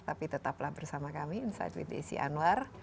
tapi tetaplah bersama kami insight with desi anwar